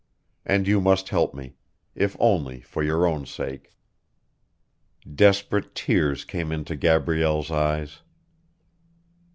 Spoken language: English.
And you must help me, if only for your own sake." Desperate tears came into Gabrielle's eyes.